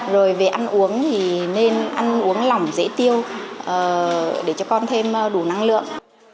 rồi về ăn uống thì nên ăn uống lỏng dễ tiêu để cho con thêm đủ năng lượng